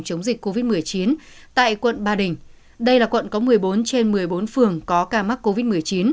chống dịch covid một mươi chín tại quận ba đình đây là quận có một mươi bốn trên một mươi bốn phường có ca mắc covid một mươi chín